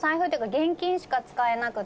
現金しか使えなくて」